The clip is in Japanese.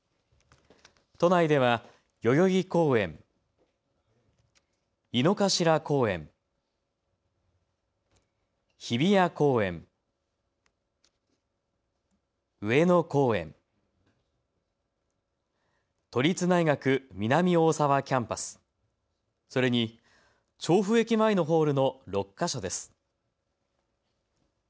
都内では代々木公園、井の頭公園、日比谷公園、上野公園、都立大学南大沢キャンパス、それに調布駅前のホールの６か所です。